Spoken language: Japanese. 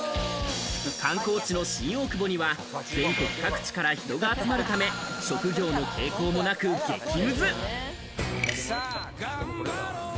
観光地の新大久保には、全国各地から人が集まるため、職業の傾向もなく、激ムズ。